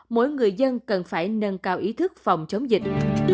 mỗi người dân cần phải nâng cao ý thức phòng chống dịch